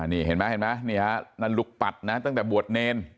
นี่เห็นมั้ยนี่นะนั่นลูกปัดนะตั้งแต่บวชเนร